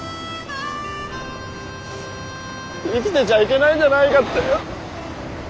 生きてちゃいけないんじゃないかって。